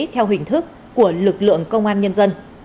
theo hình thức của lực lượng công an nhân dân